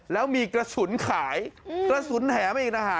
แล้วมีกระสุนขายกระสุนแถมอีกนะฮะ